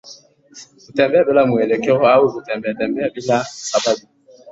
Kutembea bila mwelekeo au kutembeatembea bila sababu